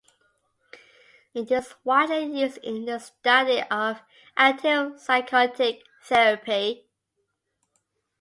It is widely used in the study of antipsychotic therapy.